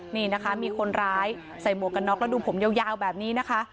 นี่นะคะมีคนร้ายใส่หมวกกันน็อกแล้วดูผมยาวแบบนี้นะคะ